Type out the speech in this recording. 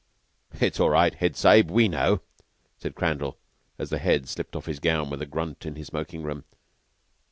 "It's all right, Head Sahib. We know," said Crandall, as the Head slipped off his gown with a grunt in his smoking room.